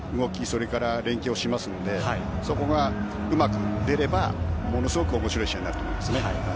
それから連携をしますのでそこがうまく出ればものすごく面白い試合になると思いますね。